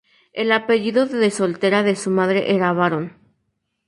El apellido de soltera de su madre era Baron.